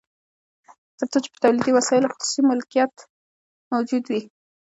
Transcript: تر څو چې په تولیدي وسایلو خصوصي مالکیت موجود وي